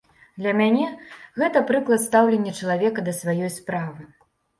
Для мяне гэта прыклад стаўлення чалавека да сваёй справы.